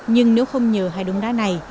nhưng nếu không nhờ hai đống đá này